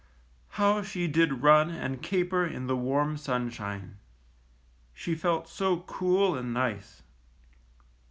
How she did run and caper in the warm sun shine! She felt so cool and nice!